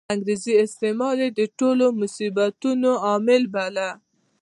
انګریزي استعمار یې د ټولو مصیبتونو عامل باله.